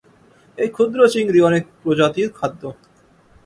এই ক্ষুদ্র চিংড়ি অনেক প্রজাতির খাদ্য।